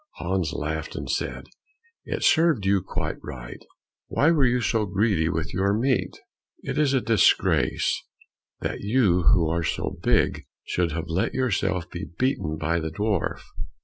Hans laughed and said, "It served you quite right; why were you so greedy with your meat? It is a disgrace that you who are so big should have let yourselves be beaten by the dwarf."